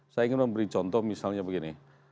saya ingin memberi contoh misalnya begini